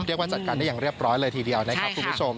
จัดการได้อย่างเรียบร้อยเลยทีเดียวนะครับคุณผู้ชม